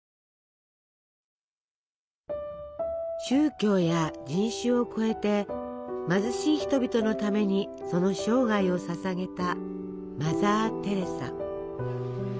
宗教や人種を超えて貧しい人々のためにその生涯をささげたマザー・テレサ。